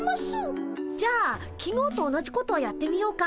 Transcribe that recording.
じゃあきのうと同じことをやってみようか。